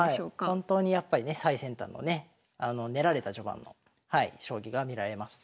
本当にやっぱりね最先端のね練られた序盤の将棋が見られます。